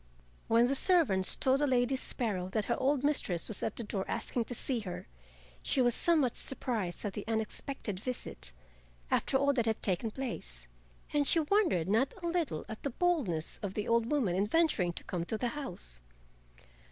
When the servants told the Lady Sparrow that her old mistress was at the door asking to see her, she was somewhat surprised at the unexpected visit, after all that had taken place, and she wondered not a little at the boldness of the old woman in venturing to come to the house.